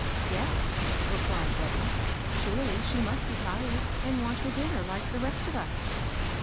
"Yes," repUed Debby. "Surely she must be tired, and want her dinner like the rest of us